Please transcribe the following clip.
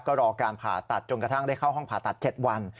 ก็รอการผ่าตัดจนกระทั่งได้เข้าห้องผ่าตัด๗วัน